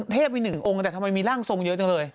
ไปหนึ่งองค์แต่ทำไมมีร่างทรงเยอะจังเลย